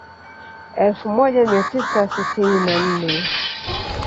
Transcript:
Elfu moja mia tisa sitini na nne